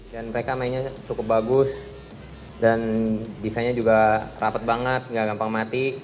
dan mereka mainnya cukup bagus dan defannya juga rapat banget gak gampang mati